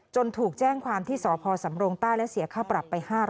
ถูกแจ้งความที่สพสำรงใต้และเสียค่าปรับไป๕๐๐